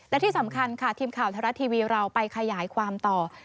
และที่สำคัญค่ะทีมข่าวไทยรัฐทีวีเราไปขยายความต่อ